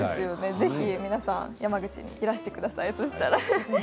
ぜひ皆さん山口にいらしてください。